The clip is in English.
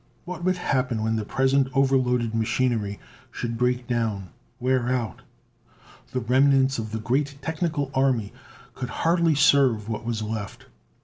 What would happen when the present overloaded machinery should break down; wear out? The remnants of the great technical army could hardly serve what was left.